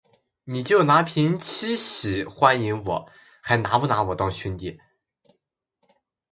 你就拿瓶七喜欢迎我，还拿不拿我当兄弟